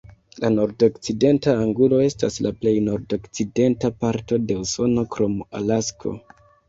La Nordokcidenta Angulo estas la plej nordokcidenta parto de Usono krom Alasko.